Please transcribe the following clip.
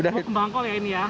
kembangkol ya ini ya